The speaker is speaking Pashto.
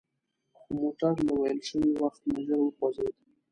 خو موټر له ویل شوي وخت نه ژر وخوځید.